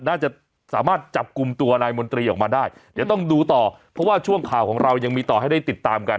น่าจะสามารถจับกลุ่มตัวนายมนตรีออกมาได้เดี๋ยวต้องดูต่อเพราะว่าช่วงข่าวของเรายังมีต่อให้ได้ติดตามกัน